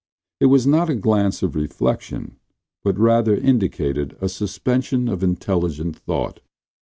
It was not a glance of reflection, but rather indicated a suspension of intelligent thought.